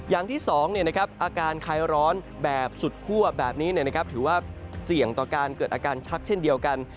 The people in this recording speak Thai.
อย่างที่สองเนี่ยนะครับอาการไขร้ร้อนแบบสุดคั่วแบบนี้นะครับถือว่าเสี่ยงต่อการเกิดอาการชักเช่นเดียวกัน